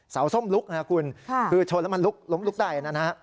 ส้มลุกนะคุณคือชนแล้วมันล้มลุกได้นะฮะ